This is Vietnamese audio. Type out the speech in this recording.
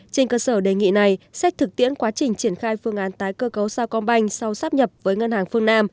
trên cơ sở đề nghị này xét thực tiễn quá trình triển khai phương án tái cơ cấu sao công banh sau sắp nhập với ngân hàng phương nam